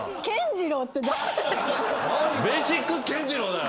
ベイシック・ケンジローだよ。